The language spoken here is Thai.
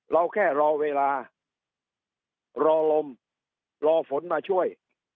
เราแค่รอเวลารอลมรอฝนมาช่วย